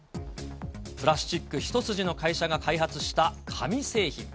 プラスチック一筋の会社が開発した紙製品。